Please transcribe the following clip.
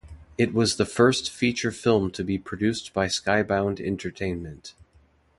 It was the first feature film to be produced by Skybound Entertainment.